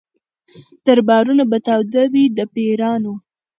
دربارونه به تاوده وي د پیرانو